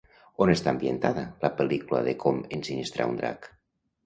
On està ambientada la pel·lícula de Com ensinistrar un drac?